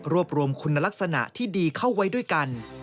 รวบรวมคุณลักษณะที่ดีเข้าไว้ด้วยกัน